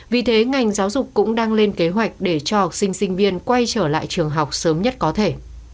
vì thế ngành giáo dục cũng đang lên kế hoạch để cho học sinh sinh viên quay trở lại trường học sớm nhất có thể